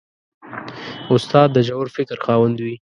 استاد د ژور فکر خاوند وي.